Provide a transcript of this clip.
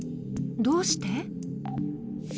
どうして？